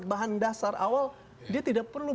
bahan dasar awal dia tidak perlu